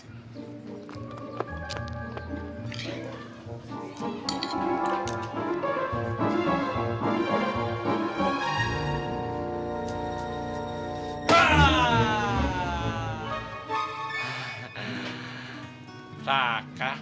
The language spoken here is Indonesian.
guein ga keliatan